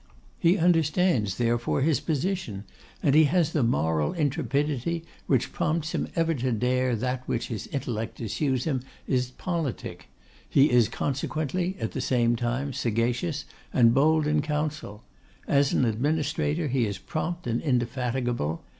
He understands, therefore, his position; and he has the moral intrepidity which prompts him ever to dare that which his intellect assures him is politic. He is consequently, at the same time, sagacious and bold in council. As an administrator he is prompt and indefatigable.